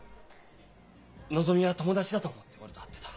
のぞみは友達だと思って俺と会ってた。